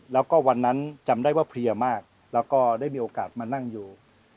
แล้วก็วันนั้นจำได้ว่าเพลียมากแล้วก็ได้มีโอกาสมานั่งอยู่